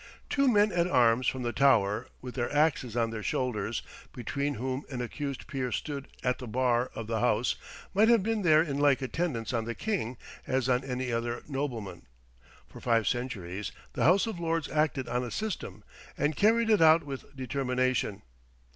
Two men at arms from the Tower, with their axes on their shoulders, between whom an accused peer stood at the bar of the house, might have been there in like attendance on the king as on any other nobleman. For five centuries the House of Lords acted on a system, and carried it out with determination.